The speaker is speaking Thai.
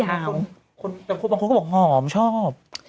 แต่บางคนก็บอกหอมชอบ